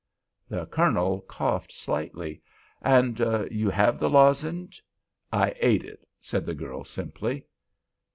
The Colonel coughed slightly. "And you have the lozenge?" "I ate it," said the girl, simply.